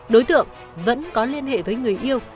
đối tượng vẫn có liên hệ với người yêu